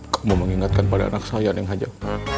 kamu mengingatkan pada anak saya neng hajah